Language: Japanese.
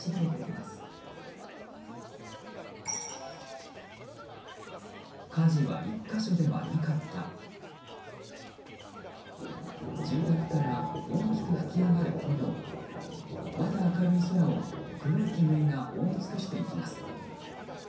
まだ明るい空を黒い煙が覆い尽くしていきます。